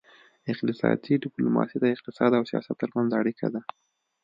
اقتصادي ډیپلوماسي د اقتصاد او سیاست ترمنځ اړیکه ده